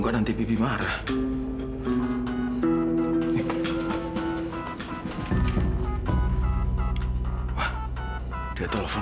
kok akhir akhir ini kamu sering ngelamun